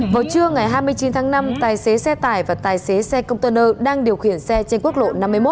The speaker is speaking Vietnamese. vào trưa ngày hai mươi chín tháng năm tài xế xe tải và tài xế xe container đang điều khiển xe trên quốc lộ năm mươi một